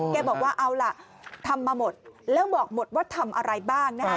แกบอกว่าเอาล่ะทำมาหมดแล้วบอกหมดว่าทำอะไรบ้างนะฮะ